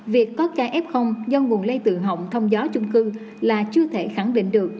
việc có ca f do nguồn lây tự hỏng thông gió chung cư là chưa thể khẳng định được